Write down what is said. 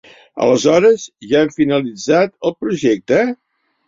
Aleshores ja hem finalitzat el projecte?